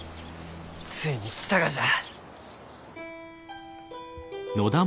ついに来たがじゃ。